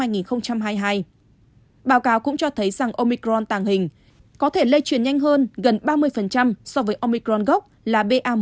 báo cáo cũng cho thấy rằng omicron tàng hình có thể lây truyền nhanh hơn gần ba mươi so với omicron gok là ba một